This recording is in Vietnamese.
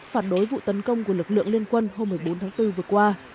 phản đối vụ tấn công của lực lượng liên quân hôm một mươi bốn tháng bốn vừa qua